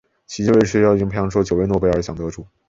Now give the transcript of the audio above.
迄今为止学校已经培养出了九位诺贝尔奖得主。